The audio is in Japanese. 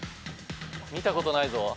見たことないぞ。